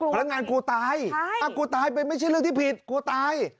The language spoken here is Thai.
พนักงานกลัวตายอ้าวกลัวตายไม่ใช่เรื่องที่ผิดกลัวตาย